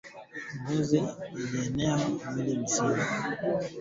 Kijusi cha mimba iliyoharibika katika kipindi cha mwisho kutokana na malale